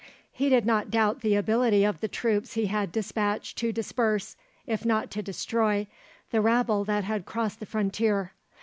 He did not doubt the ability of the troops he had despatched to disperse, if not to destroy, the rabble that had crossed the frontier.